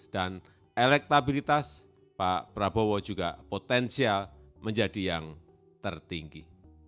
dan elektabilitas pak prabowo juga potensial menjadi yang tertinggi